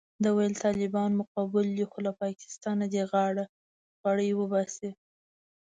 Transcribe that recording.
ده ویل طالبان مو قبول دي خو له پاکستانه دې غاړه غړۍ وباسي.